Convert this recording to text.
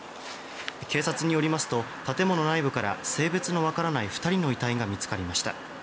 警察によりますと建物内部から、性別のわからない２人の遺体が見つかりました。